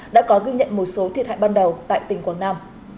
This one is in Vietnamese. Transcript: đã có ghi nhận một số thiệt hại ban đầu tại tỉnh quảng nam